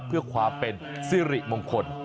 เพื่อความเป็นสิริมงคล